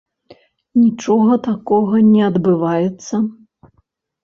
Нічога такога не адбываецца.